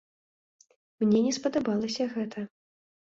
Мне не спадабалася гэта.